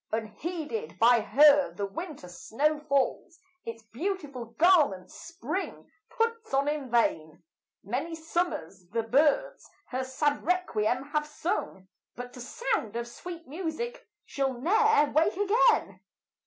Unheeded by her the winter snow falls, Its beautiful garment spring puts on in vain; Many summers the birds her sad requiem have sung, But to sound of sweet music she'll ne'er wake again.